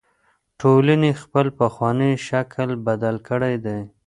ټولنې خپل پخوانی شکل بدل کړی دی.